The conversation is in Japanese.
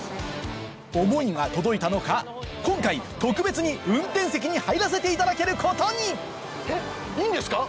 思いが届いたのか今回特別に運転席に入らせていただけることにえっいいんですか？